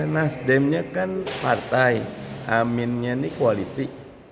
nasdemnya kan partai aminnya ini koalisi